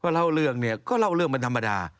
เล่าเรื่องเนี่ยก็เล่าเรื่องเป็นธรรมดา